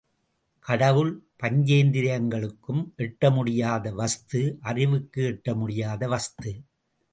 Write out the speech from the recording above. கடவுள் பஞ்சேந்திரியங்களுக்கும் எட்டமுடியாத வஸ்து, அறிவுக்கு எட்டமுடியாத வஸ்து.